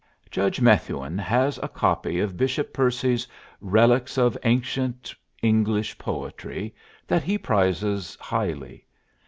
Judge Methuen has a copy of Bishop Percy's "Reliques of Ancient English Poetry" that he prizes highly.